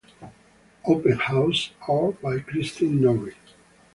"Open House" - "Art by Christine Norrie.